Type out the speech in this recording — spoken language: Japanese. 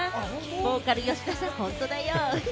ボーカル・吉田さん、本当だよ。